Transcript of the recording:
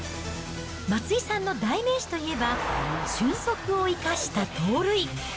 松井さんの代名詞といえば、俊足を生かした盗塁。